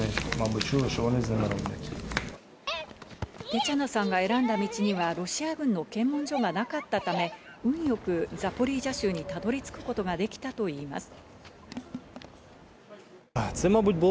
テチャナさんが選んだ道にはロシア軍の検問所がなかったため、運よくザポリージャ州にたどり着くことができたといいます。